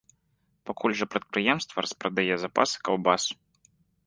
Пакуль жа прадпрыемства распрадае запасы каўбас.